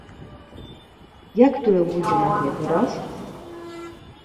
Як тое будзе на гэты раз?